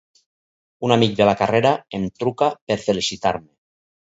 Un amic de la carrera em truca per felicitar-me.